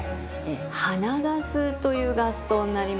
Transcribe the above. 花ガスというガス灯になります。